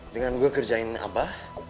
dengan gue kerjain apa